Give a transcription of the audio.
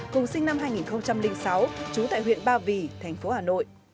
cùng sinh năm hai nghìn sáu trú tại huyện ba vì thành phố hà nội